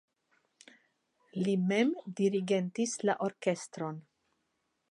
Li mem dirigentis la orkestron.